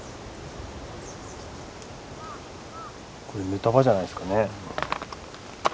これぬた場じゃないですかね。